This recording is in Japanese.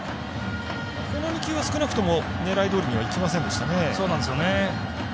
この２球は少なくとも狙いどおりにはいきませんでしたね。